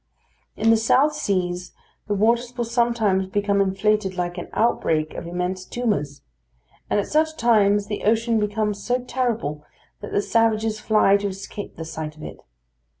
In the south seas the waters will sometimes become inflated like an outbreak of immense tumours; and at such times the ocean becomes so terrible that the savages fly to escape the sight of it.